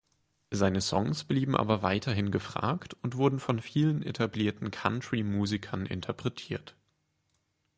Seine Songs blieben aber weiterhin gefragt, und wurden von vielen etablierten Country-Musikern interpretiert.